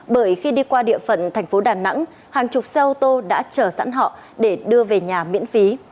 bởi khi đi qua địa phận thành phố đà nẵng hàng chục xe ô tô đã chờ sẵn họ để đưa về nhà miễn phí